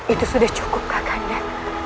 itu sudah cukup kak kanda